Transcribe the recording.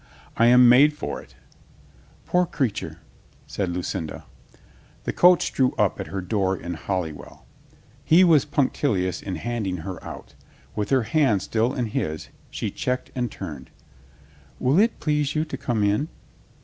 "I am made for it." "Poor creature," said Lucinda. The coach drew up at her door in Holywell. He was punctilious in handing her out With her hand still in his she checked and turned. "Will it please you to come in?"